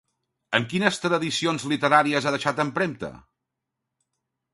En quines tradicions literàries ha deixat empremta?